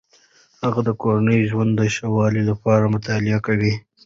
هغې د کورني ژوند د ښه والي لپاره مطالعه کوي.